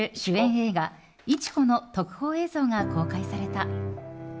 映画「市子」の特報映像が公開された。